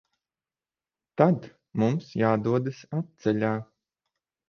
Tad mums jādodas atceļā.